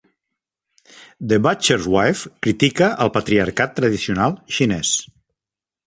"The Butcher's Wife" critica el patriarcat tradicional xinès.